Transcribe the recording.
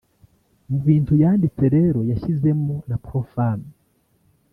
Mu bintu yanditse rero yashyizemo na Pro-femmes